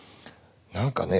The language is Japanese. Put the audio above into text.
何かね